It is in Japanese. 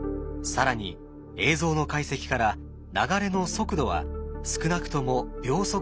更に映像の解析から流れの速度は少なくとも秒速３ｍ。